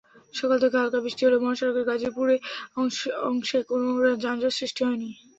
সকাল থেকে হালকা বৃষ্টি হলেও মহাসড়কের গাজীপুর অংশে কোনো যানজট সৃষ্টি হয়নি।